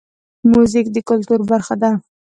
موزیک د کلتور برخه ده.